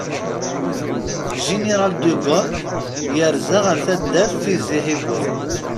Jiniral de Gaulle yerza ar taddart Tizi Hibel.